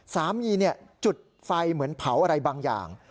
จุดไฟเหมือนเผาอะไรบางอย่าง